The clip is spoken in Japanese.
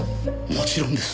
もちろんです。